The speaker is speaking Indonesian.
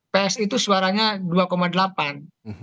psi itu suaranya dua lima ya kan ya